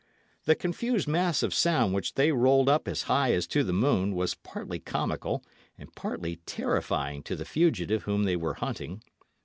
The confused mass of sound which they rolled up as high as to the moon was partly comical and partly terrifying to the fugitive whom they were hunting.